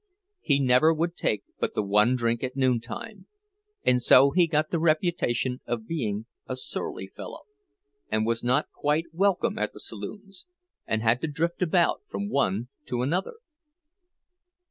He never would take but the one drink at noontime; and so he got the reputation of being a surly fellow, and was not quite welcome at the saloons, and had to drift about from one to another.